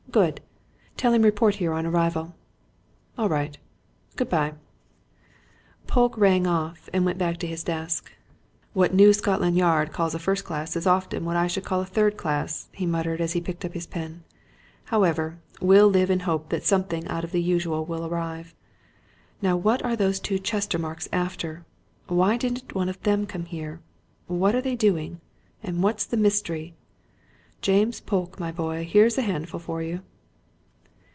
Good. Tell him report here on arrival. All right. Good bye." Polke rang off and went back to his desk. "What New Scotland Yard calls a first class is very often what I should call a third class," he muttered as he picked up his pen. "However, we'll live in hope that something out of the usual will arrive. Now what are those two Chestermarkes after? Why didn't one of them come here? What are they doing? And what's the mystery? James Polke, my boy, here's a handful for you!"